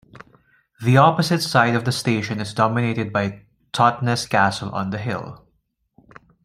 The opposite side of the station is dominated by Totnes Castle, on the hill.